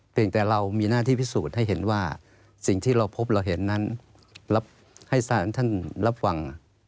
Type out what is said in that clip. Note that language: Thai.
แต่เรามีหน้าที่พิสูจน์ให้เห็นว่าสิ่งที่เราพบเราเห็นนั้นให้สารท่านรับฟัง